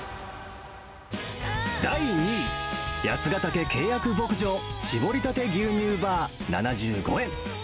第２位、八ヶ岳契約牧場しぼりたて牛乳バー７５円。